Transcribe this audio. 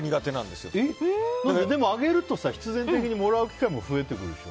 でも、あげるとさ必然的にもらう機会も増えてくるでしょ？